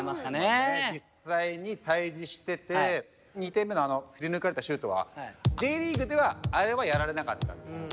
実際に対じしてて２点目のあの振り抜かれたシュートはＪリーグではあれはやられなかったんですよ。